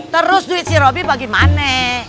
terus duit si robi bagaimana